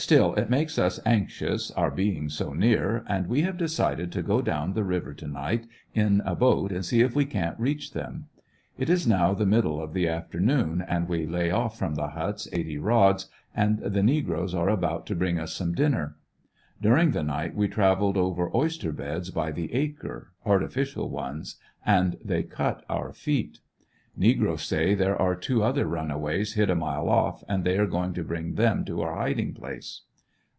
Still it makes us anxious, our being so near, and we have decided to go down the river to night in a boat and see if we can't reach them. It is now the middle of the afternoon and we lay off from the huts eighty rods, and the negroes are about to bring us some dinner. During the night we traveled over oyster FINAL ESCAPE. 143 beds by the acre, artificial ones, and they cut our feet. Negroes say there are two other runaways hid a, mile off and they are going to bring them to our abiding place.